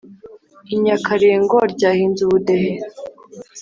i nyakarengo ryahinze ubudehe.